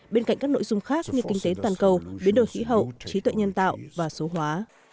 bên cạnh các nội dung khác như kinh tế toàn cầu biến đổi khí hậu trí tuệ nhân tạo và số hóa